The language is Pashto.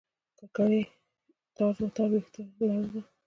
ککرۍ تار تار وېښته لرله.